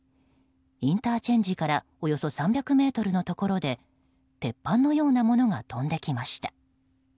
インターチェンジからおよそ３００ｍのところで鉄板のようなものが飛んできました。